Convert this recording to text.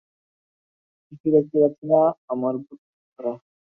কিছুই দেখতে পাচ্ছি না, আমার বুদবুদ ছাড়া।